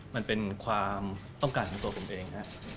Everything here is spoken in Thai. มันเป็นความต้องการจริงของตัวผมเองนะครับ